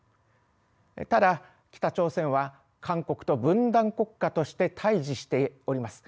ただ北朝鮮は韓国と分断国家として対じしております。